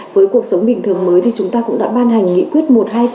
với cuộc sống bình thường mới thì chúng ta cũng đã ban hành nghị quyết một trăm hai mươi bốn